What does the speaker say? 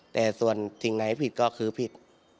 แต่ส่วนสิ่งไหนผิดก็คือผิด